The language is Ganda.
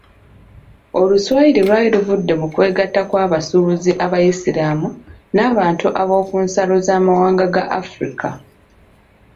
Oluswayiri lwali luvudde mu kwegatta kw'abasuubuzi abayisiraamu n'abantu b'oku nsalo z'amawanga ga Africa.